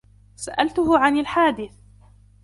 سألتُه عن الحادث.